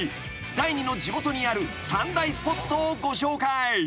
第二の地元にある三大スポットをご紹介］